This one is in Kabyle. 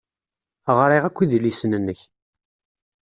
Ɣriɣ akk idlisen-nnek.